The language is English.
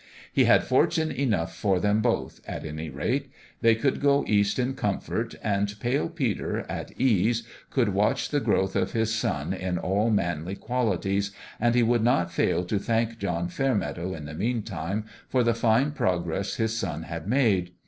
He had fortune enough for them both, at any rate ; they could go East in comfort, and Pale Peter, at ease, could watch the growth of his son in all manly qualities, and he would not fail to thank John Fairmeadow, in the meantime, for the fine progress his son had made.